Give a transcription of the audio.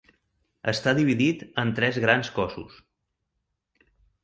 Està dividit en tres grans cossos.